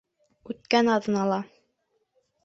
Үткән аҙнала